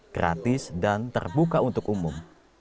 gratis dan terbuka untuk umum